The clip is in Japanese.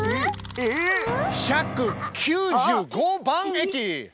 １９５番駅！